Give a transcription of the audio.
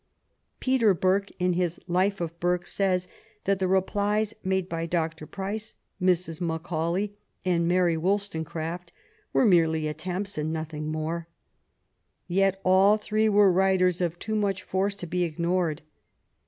'' Peter Burke, in his Life of Burke, says that the replies made by Dr. Price, Mrs. Macaulay, and Mary Wollstonecraft were merely attempts and nothing more. Yet all three were writers of too much force to be ignored.